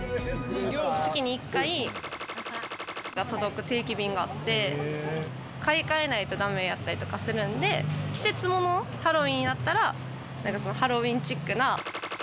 月に１回が届く定期便があって、買い換えないとだめやったりするんで季節物、ハロウィーンやったらハロウィーンチックな。